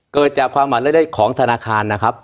เกิดจากความประมาทเลิศเล่าของธนาคารนะครับ